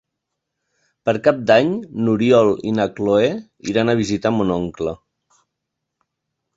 Per Cap d'Any n'Oriol i na Cloè iran a visitar mon oncle.